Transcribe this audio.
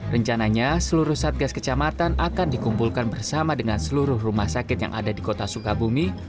rencananya seluruh satgas kecamatan akan dikumpulkan bersama dengan seluruh rumah sakit yang ada di kota sukabumi